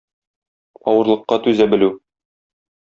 Авырлыкка түзә белү.